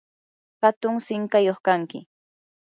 hatun sinqayuq kanki.